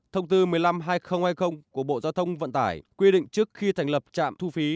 thông tư một mươi năm hai nghìn hai mươi của bộ giao thông vận tải quy định trước khi thành lập trạm thu phí